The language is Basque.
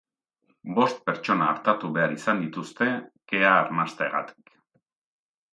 Bost pertsona artatu behar izan dituzte kea arnasteagatik.